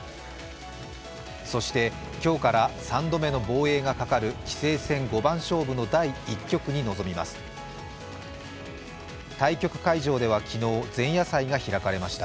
そして今日からは３度目の防衛がかかる棋聖戦五番勝負の第１局に臨みます対局会場では昨日、前夜祭が開かれました。